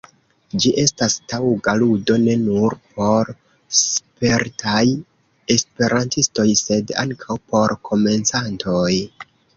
Ĝi estas taŭga ludo ne nur por spertaj esperantistoj, sed ankaŭ por komencantoj.